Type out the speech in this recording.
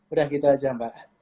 udah gitu aja mbak